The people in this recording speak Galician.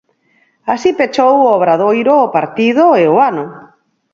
Así pechou O Obradoiro o partido e o ano.